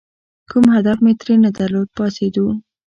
کوم هدف مې ترې نه درلود، پاڅېدو.